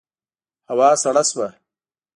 هوا سړه شوه.